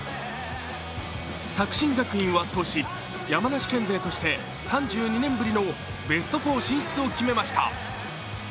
作新学院を圧倒し山梨県勢として３２年ぶりのベスト４進出を決めました。